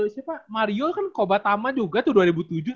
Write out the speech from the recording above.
siapa mario kan kobatama juga tuh